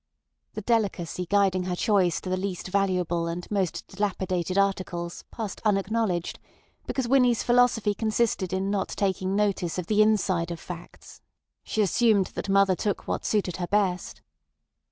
The delicacy guiding her choice to the least valuable and most dilapidated articles passed unacknowledged, because Winnie's philosophy consisted in not taking notice of the inside of facts; she assumed that mother took what suited her best.